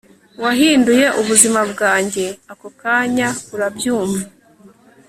wahinduye ubuzima bwanjye ako kanya, urabyumva